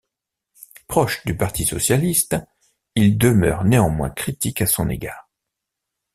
Proches du Parti socialiste, ils demeurent néanmoins critiques à son égard.